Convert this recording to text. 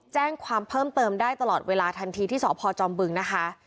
แจ้งความเพิ่มเติมได้ตลอดเวลาทันทีที่สพจอมบึงนะคะ